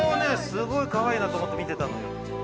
すごいカワイイなと思って見てたのよ。